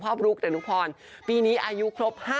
พ่อบลูกเดนุพรปีนี้อายุครบ